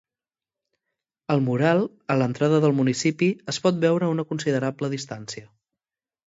El, mural, a l’entrada del municipi es pot veure a una considerable distància.